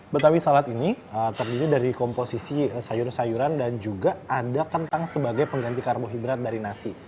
betawi salad ini terdiri dari komposisi sayur sayuran dan juga ada kentang sebagai pengganti karbohidrat dari nasi